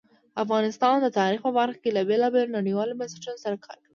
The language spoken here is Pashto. افغانستان د تاریخ په برخه کې له بېلابېلو نړیوالو بنسټونو سره کار کوي.